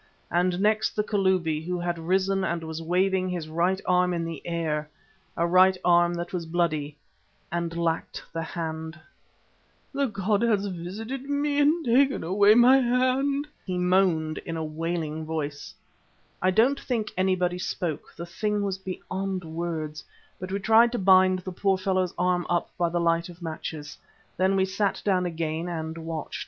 and next the Kalubi who had risen and was waving his right arm in the air, a right arm that was bloody and lacked the hand. "The god has visited me and taken away my hand!" he moaned in a wailing voice. I don't think anybody spoke; the thing was beyond words, but we tried to bind the poor fellow's arm up by the light of matches. Then we sat down again and watched.